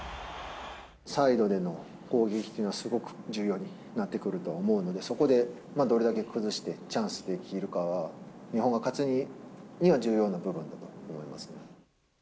サイドでの攻撃っていうのは、すごく重要になってくると思うので、そこでどれだけ崩して、チャンスができるかは、日本が勝つには重要な部分だと思います。